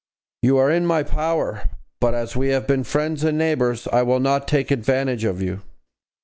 You are in my power; but as we have been friends and neighbours, I will not take advantage of you.'